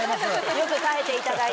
よく耐えていただいて。